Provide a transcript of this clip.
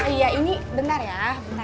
iya ini bentar ya